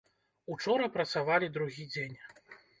Учора працавалі другі дзень.